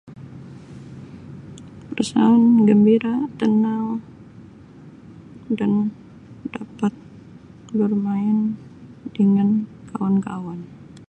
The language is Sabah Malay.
Perasaan gembira tenang dan dapat bermain dengan kawan-kawan.